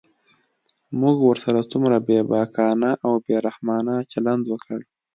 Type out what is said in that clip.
موږ ورسره څومره بېباکانه او بې رحمانه چلند وکړ.